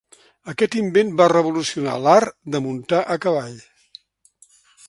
Aquest invent va revolucionar l'art de muntar a cavall.